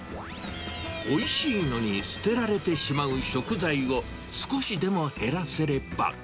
おいしいのに捨てられてしまう食材を少しでも減らせれば。